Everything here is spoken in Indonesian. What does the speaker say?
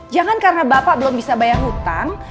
jangan karena bapak belum bisa bayar hutang